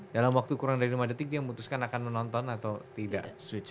dalam waktu kurang dari lima detik dia memutuskan akan menonton atau tidak